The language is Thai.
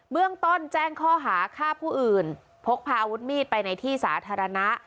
เบื้องต้นแจ้งข้อหาฆ่าผู้อื่นพกพาอาวุธมีดไปในที่สาธารณะ